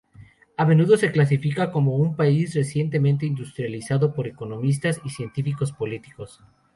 A menudo se clasifica como un país recientemente industrializado por economistas y científicos políticos.